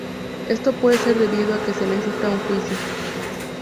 Esto puede ser debido a que se necesita un juicio.